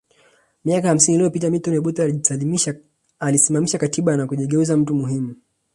Miaka hamsini iliyopita Milton Obote aliisimamisha katiba na kujigeuza mtu muhimu